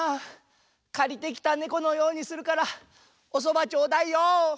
「借りてきた猫」のようにするからおそばちょうだいよ。